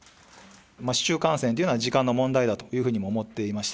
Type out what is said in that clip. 市中感染っていうのは時間の問題だというふうにも思っていました。